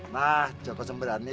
nah joko semberani